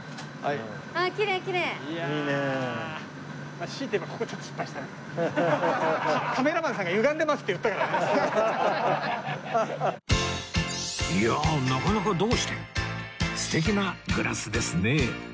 いやあなかなかどうして素敵なグラスですね